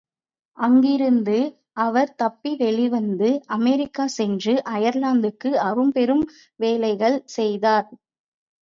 அங்கிருந்து அவர்தப்பி வெளிவந்து, அமெரிக்கா சென்று அயர்லாந்துக்கு அரும்பெரும் வேலைகள் செய்தார்.